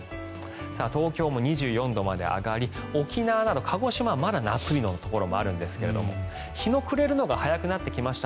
東京も２４度まで上がり沖縄や鹿児島はまだ夏日のところもあるんですが日の暮れるのが早くなってきました。